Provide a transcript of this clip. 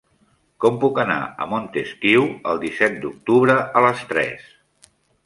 Com puc anar a Montesquiu el disset d'octubre a les tres?